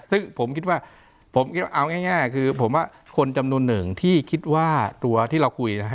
ซึ่งผมคิดว่าผมเอาง่ายคือผมว่าคนจำนวนหนึ่งที่คิดว่าตัวที่เราคุยนะฮะ